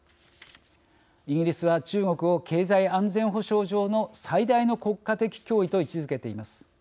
イギリスは、中国を経済安全保障上の最大の国家的脅威と位置づけています。